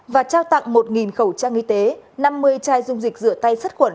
và trao tặng một khẩu trang y tế năm mươi chai dung dịch rửa tay sát khuẩn